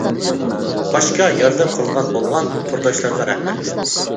باچكا ياردەم قىلىدىغان بولغان، تورداشلارغا رەھمەت.